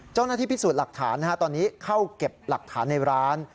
เจ้าหน้าที่พิสูจน์หลักฐานตอนนี้เข้าเก็บหลักฐานในร้าน